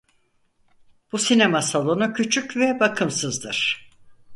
Bu sinema salonu küçük ve bakımsızdır.